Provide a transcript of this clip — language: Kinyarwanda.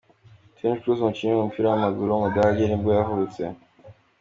Toni Kroos, umukinnyi w’umupira w’amaguru w’umudage nibwo yavutse.